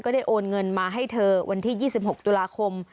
ได้โอนเงินมาให้เธอวันที่๒๖ตุลาคม